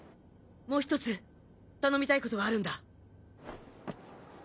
もう１つ頼みたいことがあるんだ。